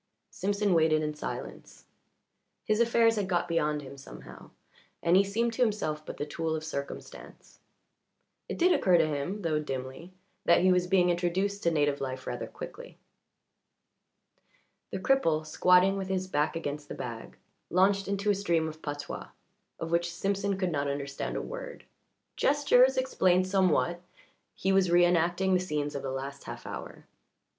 Simpson waited in silence. His affairs had got beyond him somehow, and he seemed to himself but the tool of circumstance. It did occur to him, though dimly, that he was being introduced to native life rather quickly. The cripple, squatting with his back against the bag, launched into a stream of patois, of which Simpson could not understand a word. Gestures explained somewhat; he was reënacting the scenes of the last half hour.